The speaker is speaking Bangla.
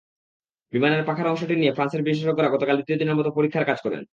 বিমানের পাখার অংশটি নিয়ে ফ্রান্সের বিশেষজ্ঞরা গতকাল দ্বিতীয় দিনের মতো পরীক্ষার কাজ করেন।